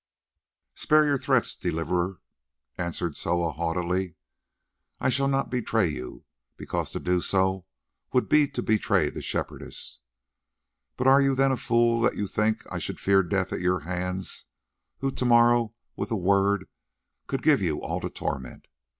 "Spare your threats, Deliverer," answered Soa haughtily. "I shall not betray you, because to do so would be to betray the Shepherdess. But are you then a fool that you think I should fear death at your hands, who to morrow with a word could give you all to torment?